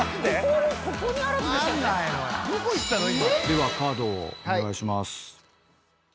ではカードをお願いします。